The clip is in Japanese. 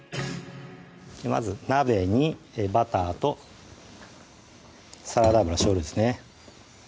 まず鍋にバターとサラダ油少量ですね